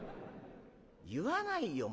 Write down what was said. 言わないよ